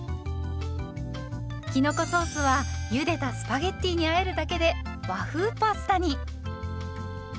きのこソースはゆでたスパゲッティにあえるだけで和風パスタに。